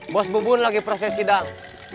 bos bubun lagi proses sidang